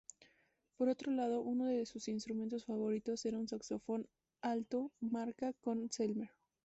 Por otro lado, uno de sus instrumentos favoritos era un saxofón alto marca Conn-Selmer.